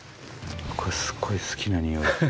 これ、すごい好きなにおい。